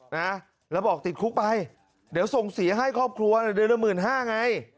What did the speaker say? นะแล้วบอกติดคุกไปเดี๋ยวส่งเสียให้ครอบครัวเดือนละหมื่นห้าไง